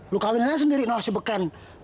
lu kawininnya sendiri noh si beken